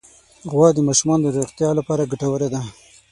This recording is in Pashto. غوا د ماشومانو د روغتیا لپاره ګټوره ده.